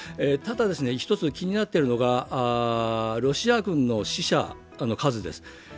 ただ、一つ気になっているのがロシア軍の死者の数です。